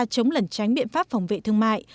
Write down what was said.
chống lẩn tránh biện pháp phòng vệ thương mại